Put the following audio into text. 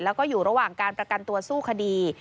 แล้วก็อยู่ระหว่างการประกันตัวสู้คดี